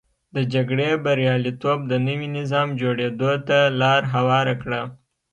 د جګړې بریالیتوب د نوي نظام جوړېدو ته لار هواره کړه.